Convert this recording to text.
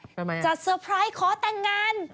ทำไมอ่ะจัดเตอร์ไพรส์ขอแต่งงาน